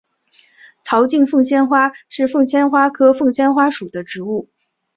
槽茎凤仙花是凤仙花科凤仙花属的植物。